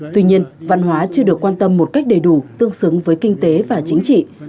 tuy nhiên văn hóa chưa được quan tâm một cách đầy đủ tương xứng với kinh tế và chính trị